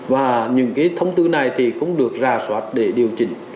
và những cái thông tư này thì không được ra soát để điều chỉnh